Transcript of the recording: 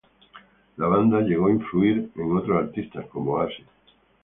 La banda llegó a influir en otros artistas, como Oasis.